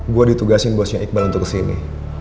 gue ditugasin bosnya iqbal untuk kesini